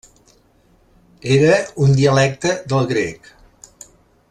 Era un dialecte del grec.